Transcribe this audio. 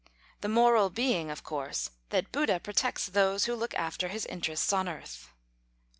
The moral being, of course, that Buddha protects those who look after his interests on earth.